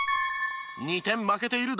２点負けている